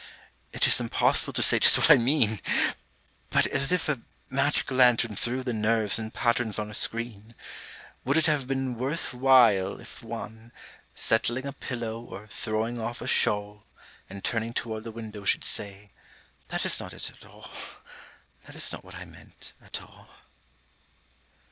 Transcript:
It is impossible to say just what I mean! But as if a magic lantern threw the nerves in patterns on a screen: Would it have been worth while If one, settling a pillow or throwing off a shawl, And turning toward the window, should say: âThat is not it at all, That is not what I meant, at all.